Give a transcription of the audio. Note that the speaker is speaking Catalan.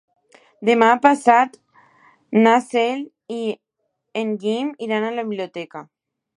Demà passat na Cel i en Guim iran a la biblioteca.